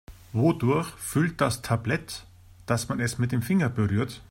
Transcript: Wodurch fühlt das Tablet, dass man es mit dem Finger berührt?